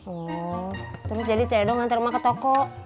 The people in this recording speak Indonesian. oh terus jadi cik edo ngantar emak ke toko